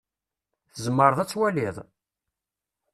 Tzemreḍ ad twaliḍ?